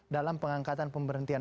dalam pengangkatan pemberhentian